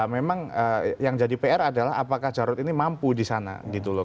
memang yang jadi pr adalah apakah jarut ini mampu disana gitu loh